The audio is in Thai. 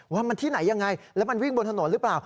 ว่ามันที่ไหนยังไงแล้วมันวิ่งบนถนนหรือเปล่า